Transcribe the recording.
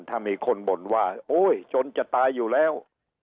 ถ้ามีคนบ่นว่าโอ้ยชนจะตายอยู่แล้ว